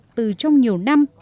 từ trong nhiều năm